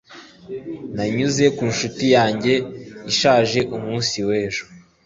nanyuze ku nshuti yanjye ishaje mu munsi w'ejo